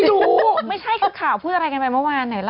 สวัสดีค่ะข้าวใส่ไข่สดใหม่เยอะสวัสดีค่ะ